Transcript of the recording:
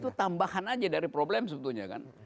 itu tambahan aja dari problem sebetulnya kan